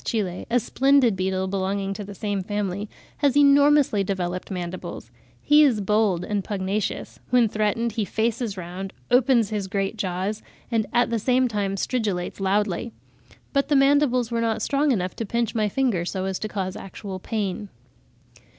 Chile—a splendid beetle belonging to the same family—has enormously developed mandibles (Fig. 24); he is bold and pugnacious; when threatened he faces round, opens his great jaws, and at the same time stridulates loudly. But the mandibles were not strong enough to pinch my finger so as to cause actual pain.